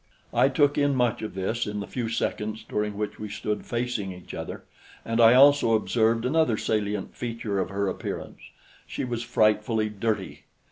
I took in much of this in the few seconds during which we stood facing each other, and I also observed another salient feature of her appearance: she was frightfully dirty!